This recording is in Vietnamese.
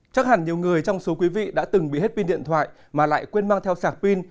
chắc hẳn nhiều người trong số quý vị đã từng bị hết pin điện thoại mà lại quên mang theo sạc pin